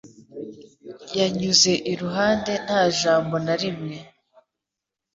Yanyuze iruhande nta jambo na rimwe.